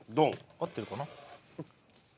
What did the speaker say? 合ってるかな？